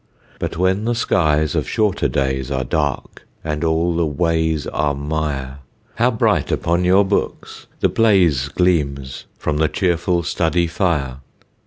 But when the skies of shorter days Are dark and all the "ways are mire," How bright upon your books the blaze Gleams from the cheerful study fire.